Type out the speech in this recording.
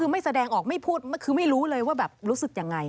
ไม่แสดงออกไม่พูดคือไม่รู้เลยว่าแบบรู้สึกยังไง